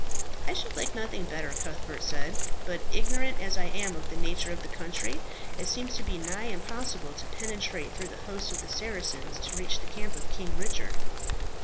"I should like nothing better," Cuthbert said. "But ignorant as I am of the nature of the country, it seems to be nigh impossible to penetrate through the hosts of the Saracens to reach the camp of King Richard."